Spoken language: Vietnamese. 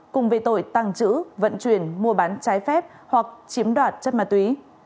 cùng về tội tăng trữ vận chuyển mua bán trái phép hoặc chiếm đoạt chất mà túy